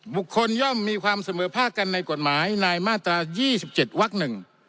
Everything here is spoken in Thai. ย่อมมีความเสมอภาคกันในกฎหมายในมาตรา๒๗วัก๑